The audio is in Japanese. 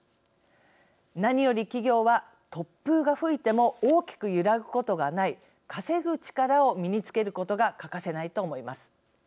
何より企業は突風が吹いても大きく揺らぐことがない稼ぐ力を身につけることが欠かせないと思います。